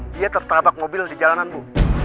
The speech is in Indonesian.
dia tertabak mobil di jalanan bu